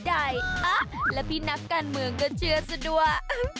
แล้วพี่นักการเมืองก็เชื่อซะด้วย